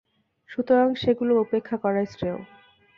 সুতরাং সেগুলো উপেক্ষা করাই শ্রেয়।